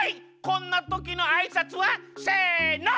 こんなときのあいさつは？せの！